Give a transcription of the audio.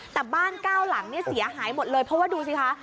แต่บ้านเก้าหลังเนี่ยเสียหายหมดเลยเพราะว่าดูสิคะ